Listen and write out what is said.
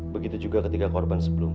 begitu juga ketika korban sebelum